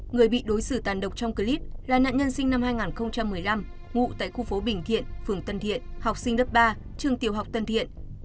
người bị đối xử tàn độc trong clip là nạn nhân sinh năm hai nghìn một mươi năm ngụ tại khu phố bình thiện phường tân thiện học sinh lớp ba trường tiểu học tân thiện